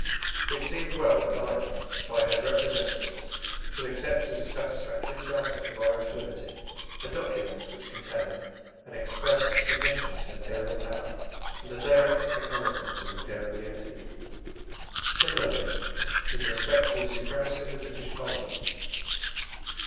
It seemed well that Ireland, by her representatives, should accept as a satisfactory charter of Irish liberty a document which contained an express submission to Imperial power and a direct acknowledgment of Imperial unity. Similarly with respect to the supremacy of the British Parliament.